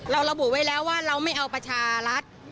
ระบุไว้แล้วว่าเราไม่เอาประชารัฐ